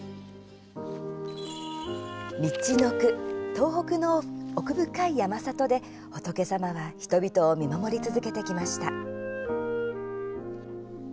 東北の奥深い山里で仏様は人々を見守り続けてきました。